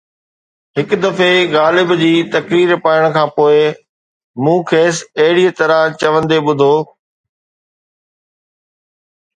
هڪ دفعي غالب جي تقرير پڙهڻ کان پوءِ مون کيس ”اهڙيءَ طرح“ چوندي ٻڌو.